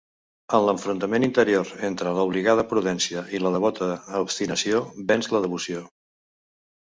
En l'enfrontament interior entre l'obligada prudència i la devota obstinació venç la devoció.